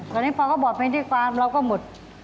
ตอนนี้พอเขาบอกเพลงที่ฟาร์มเราก็หมด